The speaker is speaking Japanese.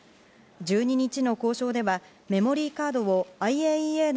１２日の交渉ではメモリーカードをＩＡＥＡの